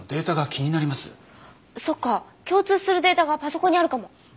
そっか共通するデータがパソコンにあるかも。